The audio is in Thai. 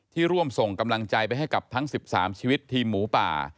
ร่วมส่งกำลังใจไปให้กับทั้ง๑๓ชีวิตทีมหมูป่า